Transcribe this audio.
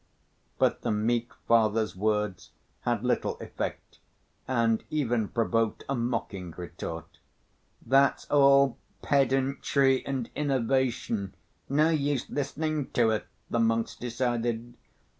But the meek Father's words had little effect and even provoked a mocking retort. "That's all pedantry and innovation, no use listening to it," the monks decided.